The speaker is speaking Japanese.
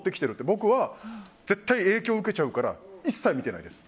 僕は絶対影響を受けちゃうから一切見てないです。